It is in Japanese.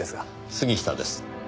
杉下です。